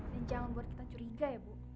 dan jangan buat kita curiga ya bu